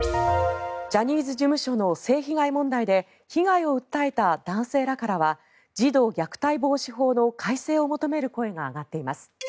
ジャニーズ事務所の性被害問題で被害を訴えた男性らからは児童虐待防止法の改正を求める声が上がっています。